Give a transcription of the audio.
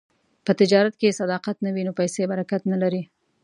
په تجارت کې که صداقت نه وي، نو پیسې برکت نه لري.